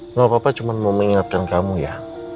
enggak papa cuman mau mengingatkan kamu ya